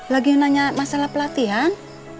lagi nanya masalah pelatihan